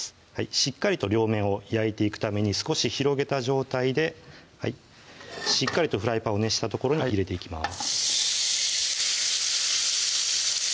しっかりと両面を焼いていくために少し広げた状態でしっかりとフライパンを熱した所に入れていきます